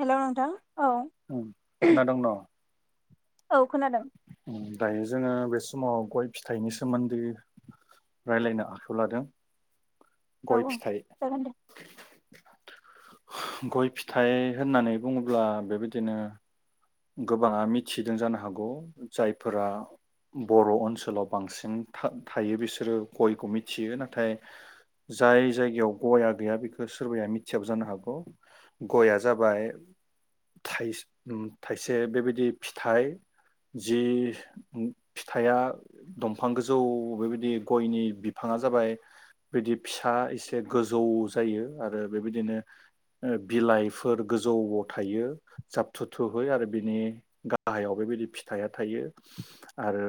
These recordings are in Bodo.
हेल नोंथां औ। औ खोनादों। दायो जोङो बे समाव गय फिथाइनि सोमोन्दै रायलायनो आखायाव लादों। गय फिथाइ [inaudible] गय फिथाइ होननानै बुङोब्ला बेबायदिनो। गोबाङा मिथिदों जानो हागौ जायफोरा बर' ओनसोलाव बांसिन था- थायो बिसोरो गयखौ मिथियो नाथाय जाय जायगायाव गया गैया बेखौ सोरबाया मिथियाबो जानो हागौ गया जाबाय थाय-ओम। थाइसे बेबायदि फिथाइ जि फिथाइया दंफां गोजौ बेबायदि गयनि बिफाङा जाबाय बेदि फिसा एसे गोजौ जायो आरो बेबायदिनो ओ-बिलाइफोर गोजौआव थायो जाबथु थु। थुहै आरो बिनि गाहायाव बेबायदि फिथाइया थायो आरो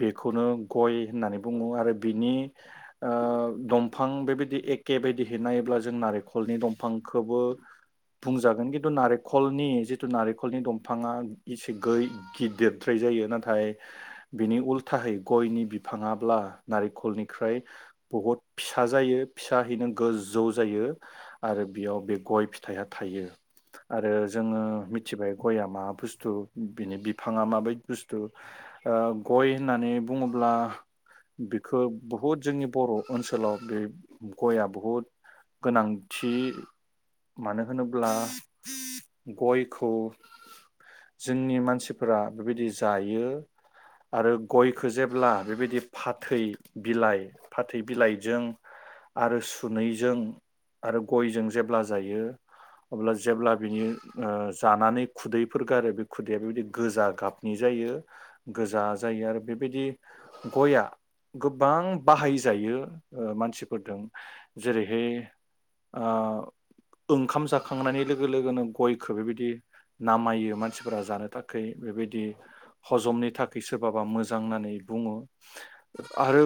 बेखौनो गय होननानै बुङो आरो बिनि ओ- दंफां बेबायदि एखे बायदि है नायोब्ला जों नारेंखलनि दंफांखौबो बुंजागोन खिन्थु नारेंखलनि। जिथु नारेंखलनि दंफाङा एसे गै गिदिरद्राय जायो नाथाय बिनि उल्थाहै गयनि बिफाङाब्ला नारेंखलनिफ्राय बहुद फिसा जायो फिसाहैनो गोजौ जायो आरो बेयाव बे गय फिथाइया थायो आरो जोङो। मिथिबाय गयआ मा बुस्थु बिनि बिफाङा माबायदि बुस्थु ओ-गय होननानै बुङोब्ला बिखौ बहुद जोंनि बर' ओनसोलाव बे गयआ बुहुद गोनांथि मानो होनोब्ला गय। खौ जोंनि मानसिफोरा बेबायदि जायो आरो गयखौ जेब्ला बेबायदि फाथै बिलाइ-फाथै बिलाइजों आरो सुनैजों आरो गयजों जेब्ला जायो अब्ला जेब्ला बिनि ओ- जानानै खुदैफोर गारो बे खुदैया बेबायदि गोजा गाबनि जायो गोजा जायो आरो बेबायदि गया गोबां बाहायजायो ओ-मानसिफोरदों जेरैहाय ओ-ओंखाम जाखांनायनि लोगो लोगोनो गयखौ बेबायद नामायो मानसिफोरा जानो थाखै बेबायदि हजमनि थाखाय सोरबाबा मोजां होननानै बुङो आरो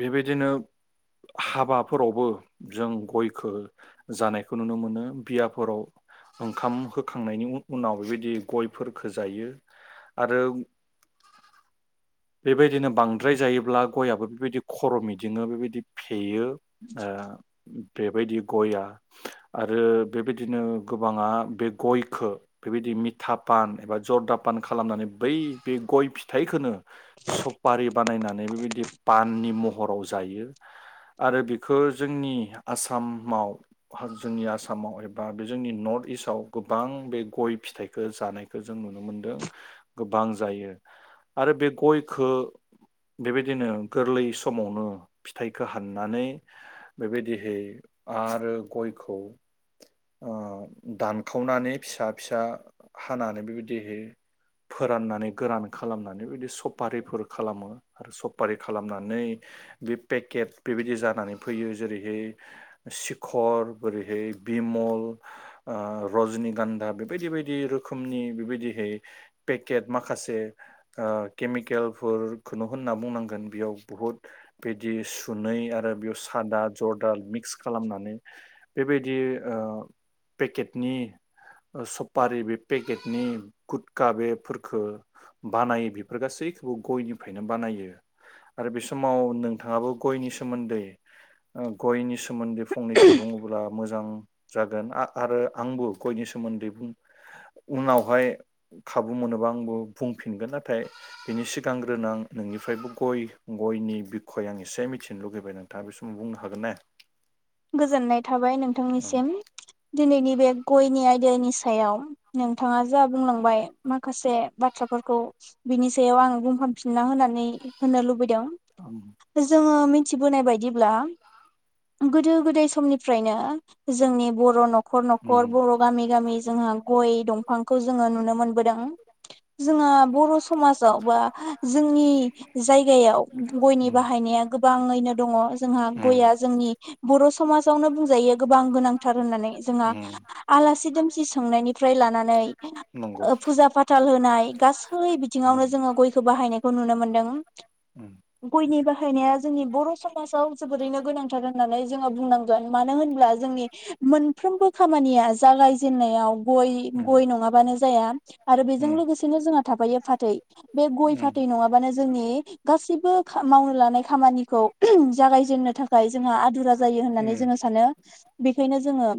बेबायदिनो हाबाफोरावबो जों गयखौ जानायखौ नुनो मोनो बियाफोराव। ओंखाम होखांनायनि उनाव बेबायदि गयफोरफोरखौ जायो आरो बेबायदिनो बांद्राय जायोब्ला गयाबो बेबायदि खर' मिदिङो बेबायदि फेयो ओ-बेबायदि गयआ आरो बेबायदिनो गो बाङा बे गयखौ बेबायदि मिथापान एबा जरदा पान खालामनानै बै बे गय फिथाइखोनो। सपारि बानायनानै बेबायदि पाननि महराव जायो आरो बेखौ जोंनि आसामाव जोंनि आसामाव एबा बे जोंनि। नर्थ इस्टआव गोबां बे गय फिथाइखौ जानायखौ जों नुनो मोनदों गोबां जायो आरो बे गयखो बेबायदिनो गोरलै समावनो फिथाइखो हाननानै बेबायदिहै आरो गयखौ। ओ- दानखावनानै फिसा-फिसा हानानै बेबायदिहै फोराननानै गोरान खालामनानै बेबायदि सफारिफोर खालामो आरो सफारि खालामनानै बे पेकेट बेबायदि जानानै फैयो जेरैहाय सिखर बोरैहाय। भिमल ओ-रजनि गान्दा बेबायदि बायदि रोखोमनि बेबायदिहै पेकेट माखासे ओ-केमिकेलफोरखौनो होनना बुंनांगोन बेयाव बुहुद बिदि सुनै आरो बेयाव सादा जरदाल मिक्स खालामनानै बेबायदि। ओ- पेकेटनि ओ-सफारि बे पेकेटनि गुटखा बेखो बानायो बेफोर गासैखौबो गयनिफ्रायनो बानायो आरो बे समाव नोंथाङाबो गयनि सोमोन्दै। ओ- गयनि सोमोन्दै फंनैसो बुङोब्ला। मोजां। जागोन आ- आरो आंबो गयनि सोमोन्दै उनावहाय खाबु मोनोबा आंबो बुंफिनगोन नाथाय बिनि सिगांग्रोनो आं नोंनिफ्रायबो गय-गयनि बिखय आं एसे मिथिनो लुगैबाय नोंथाङा बे समाव बुंनो हागोन ना? गोजोननाय थाबाय नोंथांनिसिम। दिनैनि बे गयनि आयदानि सायाव नोंथाङा जा बुंलांबाय माखासे बाथ्राफोरखौ बिनि सायाव आङो बुंखामफिनना होनानै होनो लुबै दों जोङो मिथ थिबोनाय बायदिब्ला गोदो। दै समनिफ्रायनो जोंनि बर' न'खर न'खर न'खर बर' गामि गामि जोंहा गय दंफांखौ जोङो नुनो मोनबोदों जोंहा बर' समाजाव बा जोंनि जायगायाव गयनि बाहायनाया गोबाङैनो दङ जोंहा गया जोंनि बर' समाजावनो बुंजायो गोबां गोनांथार होननानै जे आलासि दोमसि सोंनायनिफ्राय लानानै ओ फुजा फाथाल होनाय गासै बिथिङावनो जोङो गयखौ बाहायनायखौ नुनो मोनदों गयनि बाहायनाया जोंनि बर' समाजाव जोबोरैनो गोनांथार होननानै जोङो बुंनां गोन मानो होनब्ला जोंनि मोनफ्रोमबो खामानिया जागाय जेननायाव गय गय नङाबानो जाया आरो बेजों लोगोसेनो जोंहा थाफायो फाथै बे गय फाथै नङाबानो जोंनि गासैबो मावनो लानाय खामानिखौ ओहोम जागाय जेननो थाखाय जोंहा आदुरा होननानै जोङो सा बेखायनो जोङो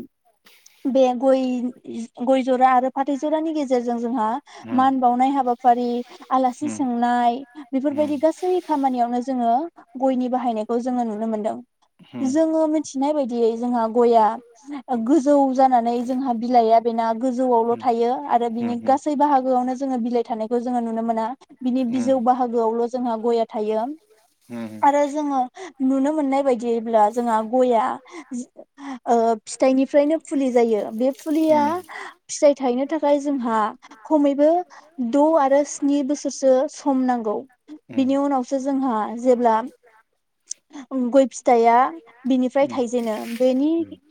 बे गय गय जरा आरो फाथै जरानि गेजेरजों जोंहा मान बावनाय हाबाफारि आलासि सोंनाय बेफोरबायदि गासै खामानियावनो जोङो गयनि बाहायनायखौ जोङो नुनो मोनदों। मिथिनाय बायदियै जोंहा गया गोजौ जानानै जोंहा बिलाइआ बेना गोजौआवल' थायो आरो बिनि गासै बाहागोआवनो जोङो बिलाइ थानायखौ जोङो नुनो मोना बिनि बिजौ बाहागोआवल' जोंहा गया थायो आरो जोङो नुनो मोननाय बायदियैब्ला जोंहा गया ओ फिथाइनिफ्रायनो फुलि जायो बे फुलिया फिथाइ थायनो थाखाय जोंहा खमैबो द' आरो स्नि बोसोरसो सम नांगौ बिनि उनावसो जोंहा जेब्ला गय फिथाइया बिनिफ्राय थाइजेनो बेनि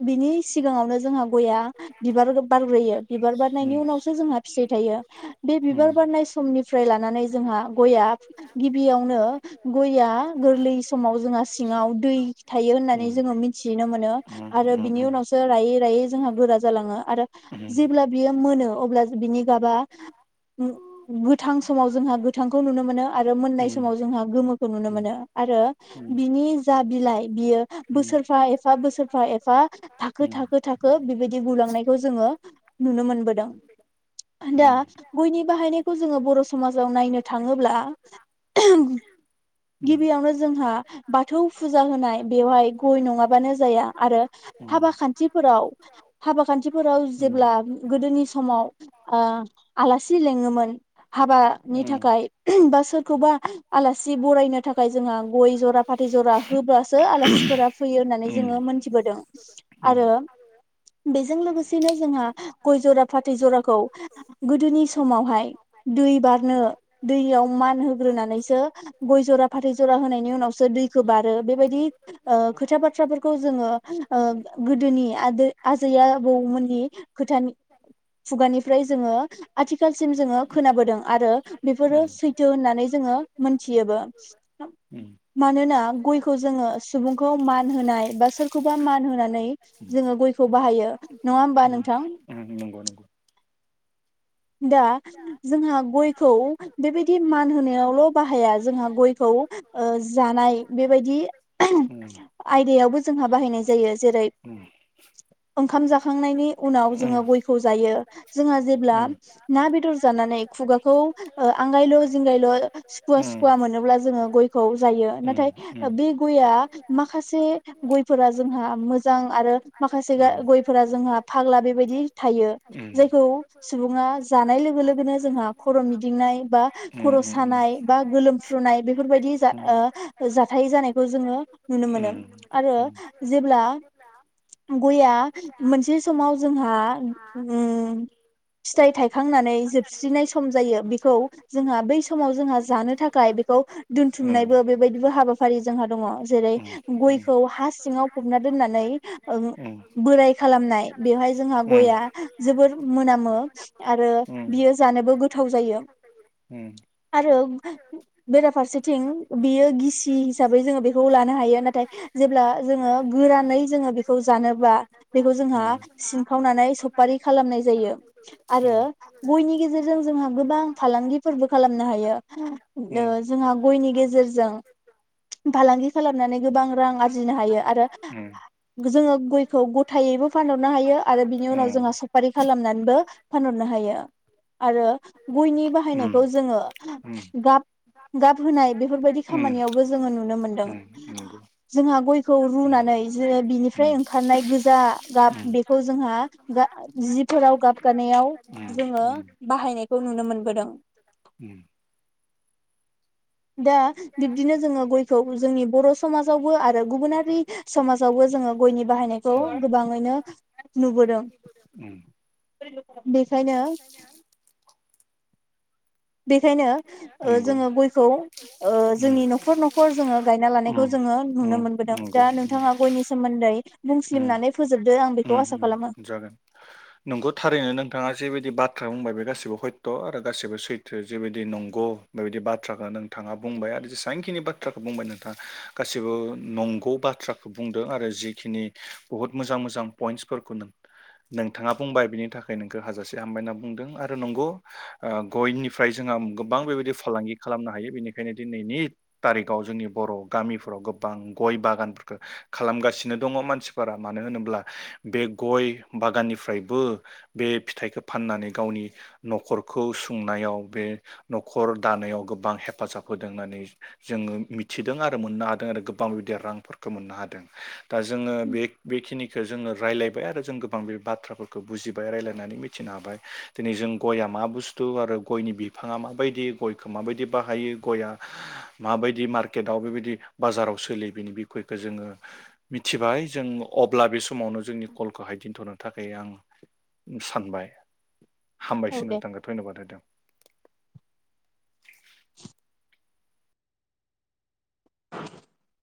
बिनि सिगाङावनो जोंहा गया बिबार बारग्रोयो बिबार बारनायनि उनावसो जोंहा फिथाइ थायो बे बिबार बारनाय समनिफ्राय लानानै जोंहा गया गिबियावनो गया गोरलै समाव जोंहा सिङाव दै थायो होननानै जोङो मिथिनो मोनो आरो बिनि उनावसो रायै रायै जोंहा गोरा जालाङो आरो जेब्ला बियो मोनो अब्ला बिनि गाबा गोथां समाव जोंहा गोथांखौ नुनो मोनो आरो मोननाय समाव जोंहा गोमोखौ नुनो मोनो आरो बिनि जा बिलाइ बियो बोसोरफा एफा बोसोरफा एफा थाखो थाखो थाखो बेबायदि गुलांनायखौ जोङो नुनो मोनबोदों दा गयनि बाहायनायखौ जोङो बर' समाजाव नायनो थाङोब्ला गिबियावनो जोंहा बाथौ फुजा होनाय बेवहाय गय नङाबानो जाया आरो हाबा खान्थिफोराव हाबाखानथि फोराव जेब्ला गोदोनि समाव ओ आलासि लिङोमोन हाबानि थाखाय ओम बा सोरखौबा आलासि बरायनो थाखाय जोंहा गय जरा फाथै जरा होब्ला ओ आलासिफोरा फैयो होननानै जोङो मोनथिबोदों आरो बेजों लोगोसेनो जोंहा गय जरा फाथै जराखौ गोदोनि समावहाय दै बारनो दैयाव मान होग्रोनानैसो गय जरा फाथै जरा होनायनि उनावसो दैखौ बारो बेबायदि खोथा बाथ्राफोरखौ जोङो ओ गोदोनि आदै आजै आबौमोननि खोथानि खुगानिफ्राय जोङो आथिखालसिम जोङो खोनाबोदों आरो बेफोरो सैथो होननानै जोङो मोनथियोबो। मानोना गयखौ जोङो सुबुंखौ मान होनाय बा सोरखौबा मान होनानै जोङो गय खौ बाहायो नङा होमबा नोंथां? दा जोंहा गयखौ बेबायदि मान होनायावल' बाहाया जोंहा गयखौ ओ जानाय बेबायदि आयदायावबो जोंहा बाहायनाय जायो जेरै ओंखाम जाखांनायनि उनाव जोङो गयखौ जायो जोंहा जेब्ला ना बेदर जानानै खुगाखौ ओ आंगायलु जिंगायलु सुखुवा सुखुवा मोनोब्ला जोङो गयखौ जायो नाथाय बे गआ माखासे गयफोरा जोंहा मोजां आरो माखासे गयफोरा जोंहा फाग्ला बेबायदि थायो जायखौ सुबुङा जानाय लोगो लोगोनो जोंहा खर' मिदिंनाय बा खर' सानाय बा गोलोमफ्रुनाय बेफोरबायदि जा-जाथाय जानायखौ जोङो नुनो मोनो आरो जेब्ला गया मोनसे समाव जोंहा उम फिथाइ थायखांनानै जोबस्रिनाय सम जायो बेखौ जोंहा बै समाव जोंहा जानो थाखाय बेखौ दोनथुमनायबो बेबायदिबो हाबाफारि जोंहा दङ जेरै गयखौ हा सिङाव फबना दोननानै ओ बोराय खालामनाय बेवहाय जोंहा गयआ जोबोर मोनामो। आरो बियो जानोबो गोथाव जायो आरो बेराफारसेथिं बियो गिसि हिसाबै जोङो बेखौ लानो हायो नाथाय जेब्ला जोङो गोरानै जोङो बेखौ जानोबा बेखौ जोंहा सिनखावनानै। सुफारि खालामनाय जायो। आरो बयनि गेजेर जों जोंहा गोबां फालांगिफोरबो खालामनो हायो जोंहा गयनि गेजेरजों फालांगि खालामनानै गोबां रां आरजिनो हायो आरो जोङो गयखौ गथायैबो फानहरनो हायो आरो बिनि उनाव जोंहा सफारि खालामनानैबो फानहरनो हायो आरो गयनि बाहायनायखौ जोङो गाब गाब होनाय बेफोरबायदि खामानियावबो जोङो नुनो मोनो। जोंहा गयखौ रुनानै जे बिनिफ्राय ओंखारनाय गोजा गाब बेखौ जोंहा जिफोराव गाब गानायाव जोङो बाहायनायखौ नुनो मोनबोदों। दा बिब्दिनो जोङो गयखौ जोंनि बर' समाजावबो आरो गुबुनारि समाजावबो जोङो गयनि बाहायनायखौ गोबाङैनो नुबोदों। बेखायनो बेखायनो ओ जोङो गयखौ ओ जोंनि न'खर न'खर जोङो गायना लानायखौ जोङो नुनो मोनबोदों दा नोंथाङा गयनि सोमोन्दै ओ जागोन नोंगौ थारैनो नोंथाङा जेबायदि बाथ्रा बुंबाय बे गासिबो हयथ आरो गासैबो सैथो जेबायदि नंगौ बेबायदि बाथ्राखौ नोंथाङा बुंबाय आरो जेसेबांखिनि बाथ्राखौ बुंबाय नोंथाङा गासिबो नंगौ बाथ्राखौ बुंदों आरो जिखिनि बुहुत मोजां मोजां पइन्टसफोरखौ नोंथाङा बुंबाय बिनि थाखाय नोंखौ हाजासे हामबाय होनना बुंदों। आरो नंगौ गयनिफ्राय जोंहा गोबां बेबायदि फालांगि खालामनो हायो बेनिखायनो दिनैनि तारिखाव जोंनि बर गामिफोराव गोबां गय बागानफोरखौ खालामगासिनो दङ मानसिफोर फोरा मानो होनोब्ला बे गय बागाननिफ्रायबो बे फिथाइखौ फाननानै गावनि नखरखौ सुंनायाव बे नखर दानायाव गोबां हेफाजाब होदों होननानै जोंङो मिथिदों आरो मोननो हादों आरो गोबां बेबायदि रांफोरखौ मोननो हादों। दा जोंङो बे बेखिनिखौ जोङो रायलायबाय आरो जों गोबां बे बाथ्राफोरखौ बुजिबाय रायलायनानै मिथिनो हाबाय दिनै जों गया मा बुस्थु आरो गयनि बिफाङा माबायदि गयखौ माबायदि बाहायो गया माबायदि मार्केटाव बेबायदि बाजाराव सोलियो बिनि बिखयखौ जोङो मिथिबाय जों अब्ला बे समावनो जोंनि कलखौ हायदिन्थनो थाखाय आं सानबाय। हामबायसो नोंथांखौ धन्यबाद होदों। [unintelligible] [unintelligible]